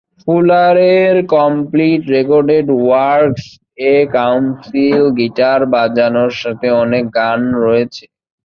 ফুলারের "complete recorded works" এ council guitar বাজানোর সাথে অনেক গান রয়েছে।